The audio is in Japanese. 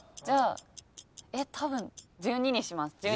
じゃあ１２にします。